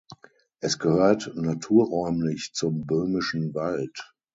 Es gehört naturräumlich zum Böhmischen Wald.